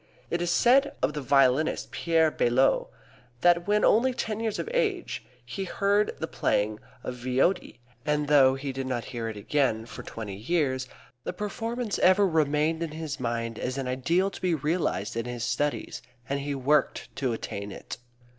It is said of the violinist, Pierre Baillot, that when only ten years of age he heard the playing of Viotti, and though he did not hear it again for twenty years the performance ever remained in his mind as an ideal to be realized in his studies, and he worked to attain it.